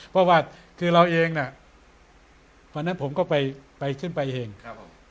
เพราะว่าคือเราเองน่ะวันนั้นผมก็ไปขึ้นไปเองครับผม